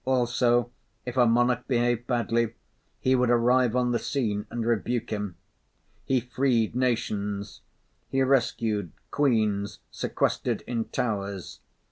Also, if a monarch behaved badly, he would arrive on the scene and rebuke him. He freed nations. He rescued queens sequestered in towers.